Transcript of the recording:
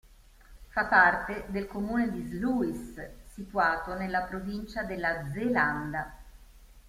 Fa parte del comune di Sluis, situato nella provincia della Zelanda.